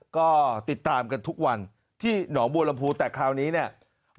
ก็ติดตามกันทุกวันที่หนองบัวลำพูแต่คราวนี้เนี่ย